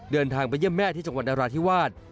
เดินทางไปเยี่ยมแม่ที่จังหวัดนราธิวาส